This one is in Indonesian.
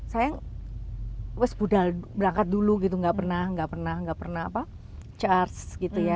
sayang udah berangkat dulu gitu gak pernah charge gitu ya